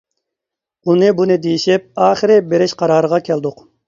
ئۇنى-بۇنى دېيىشىپ ئاخىرى بېرىش قارارىغا كەلدۇق.